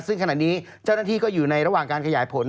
ซึ่งขณะนี้เจ้าหน้าที่ก็อยู่ในระหว่างการขยายผล